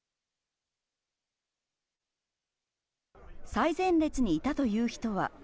最前列にいたという人は。